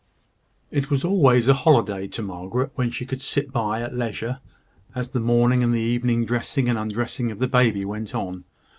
It was always a holiday to Margaret when she could sit by at leisure, as the morning and evening dressing and undressing of the baby went on.